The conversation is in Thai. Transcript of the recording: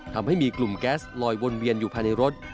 ทำให้มีกลุ่มแก๊สลอยวนเวียนอยู่ภายในรถ